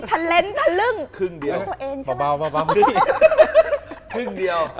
ทันเล่นทันลึ่ง